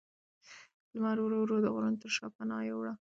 لمر ورو ورو د غرونو شا ته پناه یووړه